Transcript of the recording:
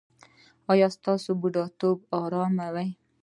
ایا ستاسو بوډاتوب ارام دی؟